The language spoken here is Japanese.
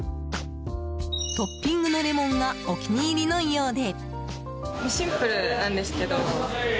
トッピングのレモンがお気に入りのようで。